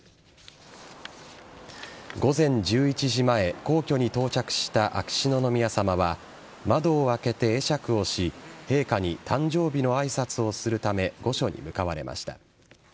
午前１１時前皇居に到着した秋篠宮さまは窓を開けて会釈をし陛下に誕生日の挨拶をするため御所に向かわれました。